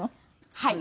はい。